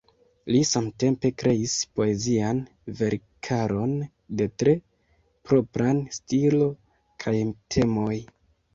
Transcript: Li samtempe kreis poezian verkaron de tre propraj stilo kaj temoj.